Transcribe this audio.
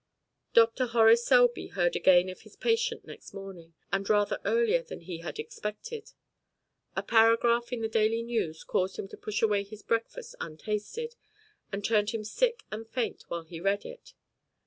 Dr. Horace Selby heard again of his patient next morning, and rather earlier than he had expected. A paragraph in the Daily News caused him to push away his breakfast untasted, and turned him sick and faint while he read it.